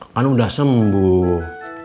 kan udah sembuh